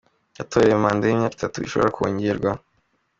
Yatorewe manda y’imyaka itatu ishobora kongerwa.